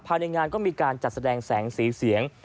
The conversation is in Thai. ภายในงานก็มีการจัดแสดงแสงสีเสียง